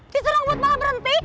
disuruh buat malah berhenti